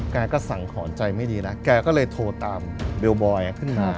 แกก็สังหรณ์ใจไม่ดีนะแกก็เลยโทรตามเบลบอยขึ้นมา